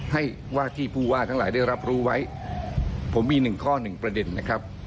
ให้ว่าที่ผู้ว่าทั้งหลายได้รับรู้ไว้ผมมีหนึ่งข้อหนึ่งประเด็นนะครับ